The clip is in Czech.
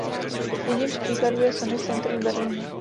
Jedním z příkladů je Sony Center v Berlíně.